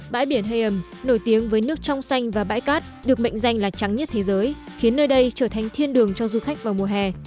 bãi biển heiham nổi tiếng với nước trong xanh và bãi cát được mệnh danh là trắng nhất thế giới khiến nơi đây trở thành thiên đường cho du khách vào mùa hè